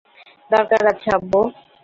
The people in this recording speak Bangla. দরকার আছে আব্বু!